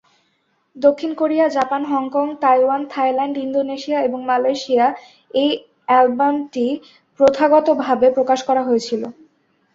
দক্ষিণ Korea, Japan, Hong Kong, Taiwan, Thailand, Indonesia এবং মালয়েশিয়ায় এই অ্যালবামটি প্রথাগতভাবে প্রকাশ করা হয়েছিল।